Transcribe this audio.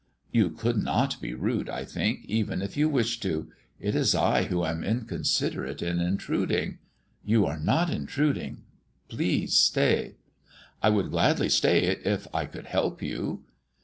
"You could not be rude, I think, even if you wished to. It is I who am inconsiderate in intruding " "You are not intruding; please stay." "I would gladly stay if I could help you."